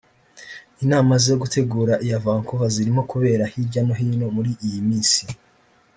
Inama zo gutegura iya Vancouver zirimo kubera hirya no hino muri iyi minsi